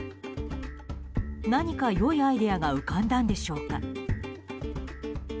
何か良いアイデアが浮かんだんでしょうか。